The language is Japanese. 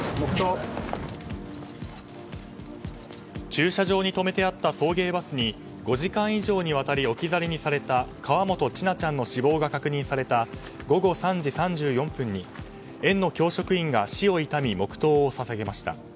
駐車場に止めてあった送迎バスに５時間以上にわたり置き去りにされた河本千奈ちゃんの死亡が確認された午後３時３４分に園の教職員が死を悼み黙祷を捧げました。